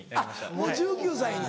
もう１９歳に。